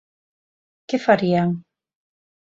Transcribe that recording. Que farían?